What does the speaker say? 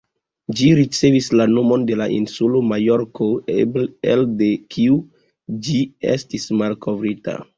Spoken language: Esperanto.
Ĝi ricevis la nomon de la insulo Majorko elde kiu ĝi estis malkovrita.